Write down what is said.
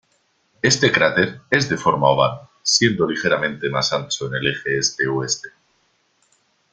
Este cráter es de forma oval, siendo ligeramente más ancho en el eje este-oeste.